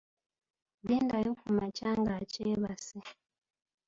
Gendayo kumakya ng'akyebase.